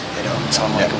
yaudah om salamualaikum om